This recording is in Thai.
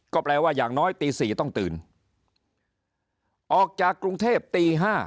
ก็แปลว่าอย่างน้อยตี๔ต้องตื่นออกจากกรุงเทพตี๕